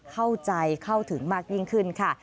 เข้าใจเข้าถึงมากยิ่งขึ้นค่ะ